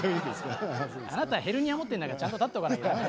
あなたヘルニア持ってんだからちゃんと立っておかなきゃ駄目なの。